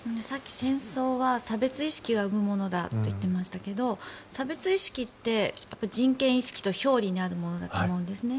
戦争は差別意識が生むものだと言っていましたが差別意識って人権意識と表裏にあるものだと思うんです。